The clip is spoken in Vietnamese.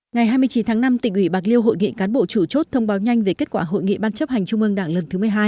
ngày hai mươi chín tháng năm tỉnh ủy bạc liêu hội nghị cán bộ chủ chốt thông báo nhanh về kết quả hội nghị ban chấp hành trung ương đảng lần thứ một mươi hai